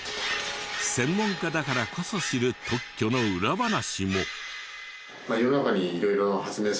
専門家だからこそ知る特許の裏話も。